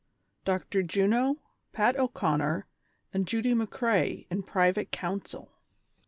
DR. JUNO, PAT O 'CONNER AND JUDY M'CREA IN PRIVATE COUNCIL.